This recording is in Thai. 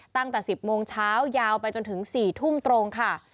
ตั้งแต่๑๐โมงเช้ายาวไปจนถึง๔ทุ่มตรงค่ะ